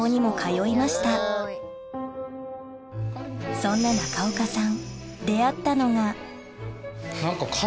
そんな中岡さん